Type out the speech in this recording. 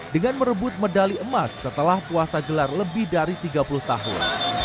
dengan merebut medali emas setelah puasa gelar lebih dari tiga puluh tahun